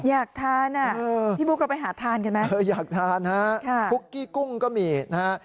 อยากทานอ่ะพี่บุ๊คเราไปหาทานกันไหมอยากทานฮะคุกกี้กุ้งก็มีนะฮะ